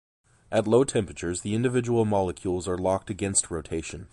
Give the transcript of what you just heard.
At low temperatures the individual molecules are locked against rotation.